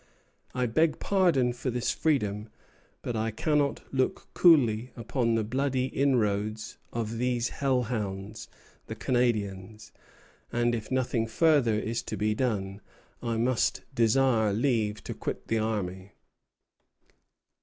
I beg pardon for this freedom, but I cannot look coolly upon the bloody inroads of those hell hounds, the Canadians; and if nothing further is to be done, I must desire leave to quit the army."